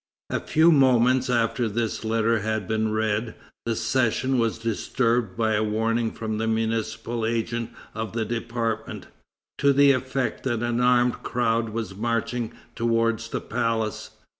A few moments after this letter had been read, the session was disturbed by a warning from the municipal agent of the department, to the effect that an armed crowd were marching towards the palace.